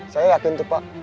saya yakin tuh pak